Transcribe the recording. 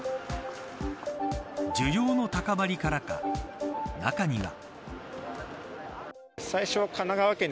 需要の高まりからか中には。